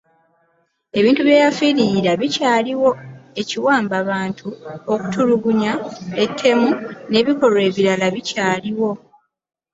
Ebintu bye yafiirira bikyaliwo; ekiwambabantu, okutulugunya, ettemu n’ebikolwa ebirala bikyaliwo.